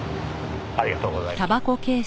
ありがとうございます。